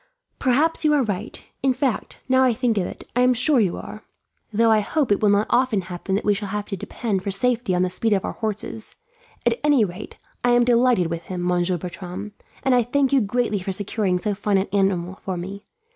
"Perhaps you are right. In fact, now I think of it, I am sure you are; though I hope it will not often happen that we shall have to depend for safety on the speed of our horses. At any rate, I am delighted with him, Monsieur Bertram; and I thank you greatly for procuring so fine an animal for me.